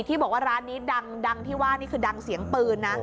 ที่บอกว่าร้านนี้ดังที่ว่านี่คือดังเสียงปืนนะ